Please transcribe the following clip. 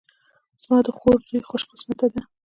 زما د خور زوی خوش قسمته ده